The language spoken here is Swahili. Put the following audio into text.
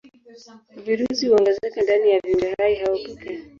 Virusi huongezeka ndani ya viumbehai hao pekee.